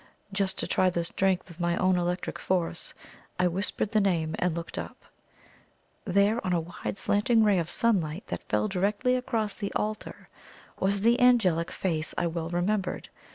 Just to try the strength of my own electric force, I whispered the name and looked up. There, on a wide slanting ray of sunlight that fell directly across the altar was the angelic face I well remembered!